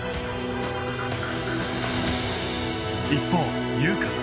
一方優香は